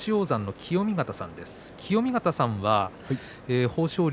清見潟さんは豊昇龍